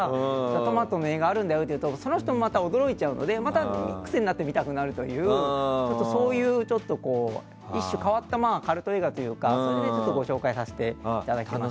トマトの映画あるんだよって言うとその人もまた驚いちゃうのでまた癖になって見たくなるというそういう一種変わったカルト映画というか、それでご紹介させていただきました。